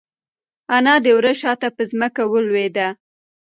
انا د وره شاته په ځمکه ولوېده.